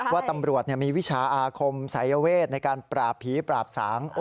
ว่าตำรวจมีวิชาอาคมสายเวทในการปราบผีปราบสาง